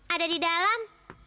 ada di dalam